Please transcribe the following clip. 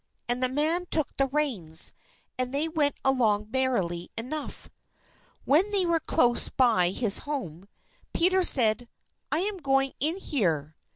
And the man took the reins, and they went along merrily enough. When they were close by his home, Peter said, "I am going in here."